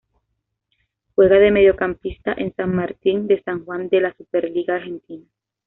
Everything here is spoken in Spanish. Juega de Mediocampista en San Martín de San Juan de la Superliga Argentina.